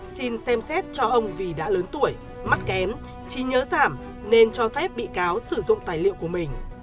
xin xem xét cho ông vì đã lớn tuổi mắc kém trí nhớ giảm nên cho phép bị cáo sử dụng tài liệu của mình